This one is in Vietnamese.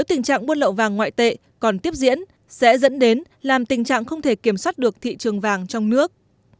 tình trạng buôn lậu vàng ngoại tệ còn tiếp diễn sẽ dẫn đến làm tình trạng không thể kiểm soát được thị trường vàng trong nước